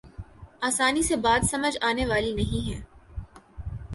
آسانی سے بات سمجھ آنے والی نہیں ہے۔